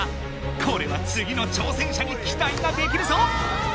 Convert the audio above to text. これはつぎの挑戦者にきたいができるぞ！